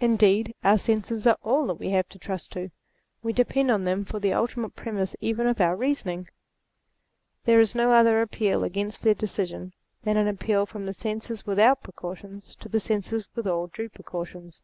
Indeed our senses are all that we have to trust to. We depend on them for the ultimate premises even of our reasonings. There is no other appeal against their decision than an appeal from the senses without precautions to the senses with all due precautions.